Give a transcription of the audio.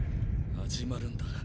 始まるんだ。